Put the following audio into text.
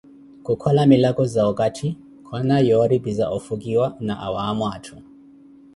Kukhola milako za okatti, koona yoori pi za ofukiwa na awaamo atthu